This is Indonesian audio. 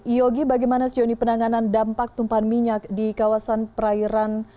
yogi bagaimana penanganan dampak tumpahan minyak di kawasan perairan